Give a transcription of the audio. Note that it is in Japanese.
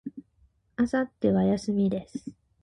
明後日は、休みです。